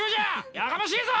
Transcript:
やかましいぞ！